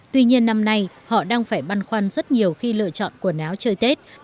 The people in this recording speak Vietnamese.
tuy nhiên năm nay họ đang phải băn khoăn rất nhiều khi lựa chọn quần áo chơi tết